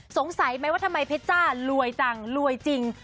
สงสัยไหมว่าทำไมเพชรจ้ารวยจังรวยจริง